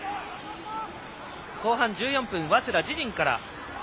後半１４分、早稲田、自陣から。